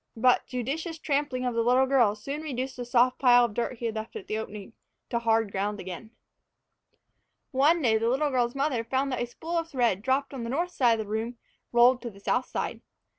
But judicious trampling by the little girl soon reduced the soft pile of dirt he had left at the opening to hard ground again. One day the little girl's mother found that a spool of thread dropped on the north side of the room rolled to the south side.